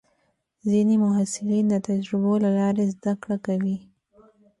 ځینې محصلین د تجربو له لارې زده کړه کوي.